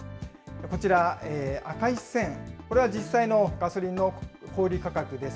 こちら、赤い線、これは実際のガソリンの小売り価格です。